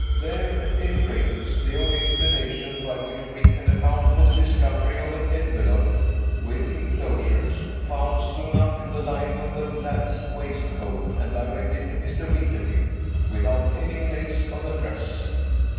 There, at any rate, is the only explanation by which we can account for the discovery of an envelope (with inclosures) found sewn up in the lining of the lad's waistcoat, and directed to Mr. Winterfield without any place of address."